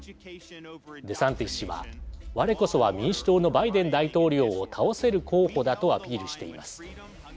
デサンティス氏は我こそは民主党のバイデン大統領を倒せる候補だとアピールしています。